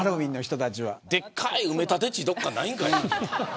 でっかい埋立地どこかにないんかな。